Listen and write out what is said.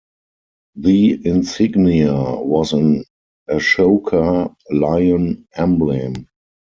The insignia was an Ashoka lion emblem.